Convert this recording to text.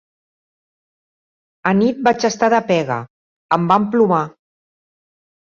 Anit vaig estar de pega: em van plomar.